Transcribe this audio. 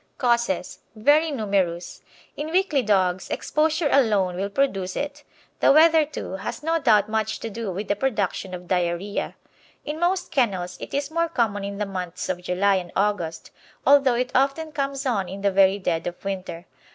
Causes Very numerous. In weakly dogs exposure alone will produce it. The weather, too, has no doubt much to do with the production of diarrhoea. In most kennels it is more common in the months of July and August, although it often comes on in the very dead of winter.